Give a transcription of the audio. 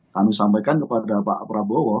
kami sampaikan kepada pak prabowo